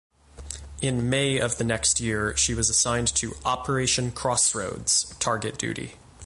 In May of the next year, she was assigned to Operation Crossroads target duty.